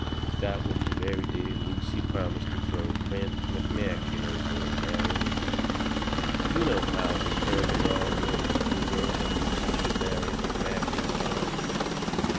That was the very day Lucy promised to throw Prent McMakin over and marry me. You know how determined all your people were that Lucy should marry McMakin, Tom.